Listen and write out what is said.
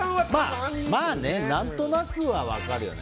何となくは分かるよね。